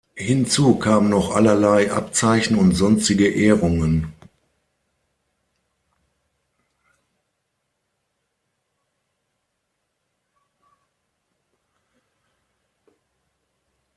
Hinzu kamen noch allerlei Abzeichen und sonstige Ehrungen.